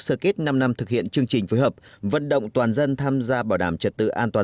sơ kết năm năm thực hiện chương trình phối hợp vận động toàn dân tham gia bảo đảm trật tự an toàn